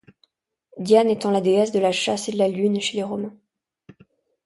Diane étant la déesse de la chasse et de la lune chez les Romains.